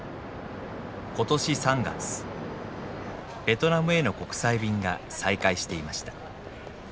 ベトナムへの国際便が再開していました。